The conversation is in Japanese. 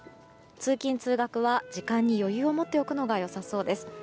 通勤・通学は時間に余裕を持っておくのが良さそうです。